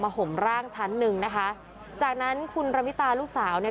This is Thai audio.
ห่มร่างชั้นหนึ่งนะคะจากนั้นคุณระมิตาลูกสาวเนี่ย